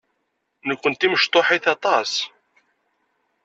Kenemti mecṭuḥit aṭas.